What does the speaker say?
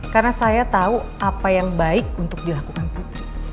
karena saya tahu apa yang baik untuk dilakukan putri